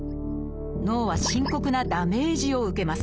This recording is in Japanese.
脳は深刻なダメージを受けます。